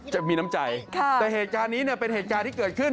จะมีน้ำใจแต่เหตุการณ์นี้เนี่ยเป็นเหตุการณ์ที่เกิดขึ้น